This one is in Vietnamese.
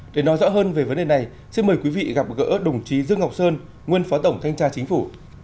để nói rõ hơn về vấn đề này xin mời quý vị gặp gỡ đồng chí dương ngọc sơn nguyên phó tổng thanh tra chính phủ